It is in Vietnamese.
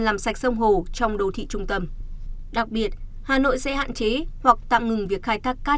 làm sạch sông hồ trong đô thị trung tâm đặc biệt hà nội sẽ hạn chế hoặc tạm ngừng việc khai thác cát